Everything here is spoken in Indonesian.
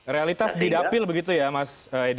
realitas didapil begitu ya mas edi